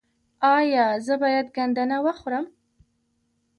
ایا زه باید ګندنه وخورم؟